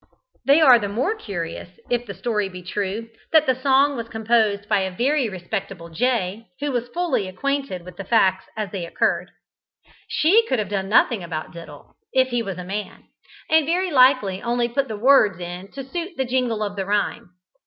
They are the more curious if the story be true that the song was composed by a very respectable jay, who was fully acquainted with the facts as they occurred. She could have known nothing about "Diddle," if he was a man; and very likely only put the words in to suit the jingle of the rhyme.